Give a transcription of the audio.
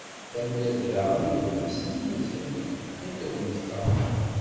Tanemmirt daɣen i uɣmis n Yimaziɣen i yi-d-yefkan tagnit-a.